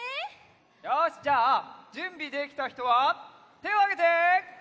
よしじゃあじゅんびできたひとはてをあげて！